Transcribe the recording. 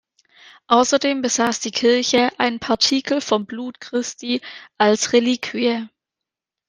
Außerdem besaß die Kirche einen Partikel vom Blut Christi als Reliquie.